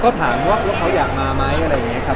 ก็ถามว่าแล้วเขาอยากมาไหมอะไรอย่างนี้ครับ